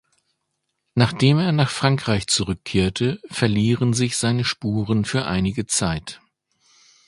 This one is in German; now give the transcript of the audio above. Nachdem er nach Frankreich zurückkehrte, verlieren sich seine Spuren für einige Zeit.